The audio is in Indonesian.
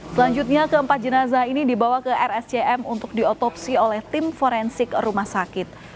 selanjutnya keempat jenazah ini dibawa ke rscm untuk diotopsi oleh tim forensik rumah sakit